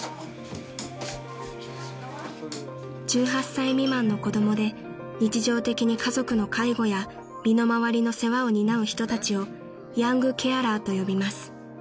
［１８歳未満の子供で日常的に家族の介護や身の回りの世話を担う人たちをヤングケアラーと呼びます］